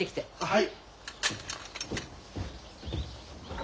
はい。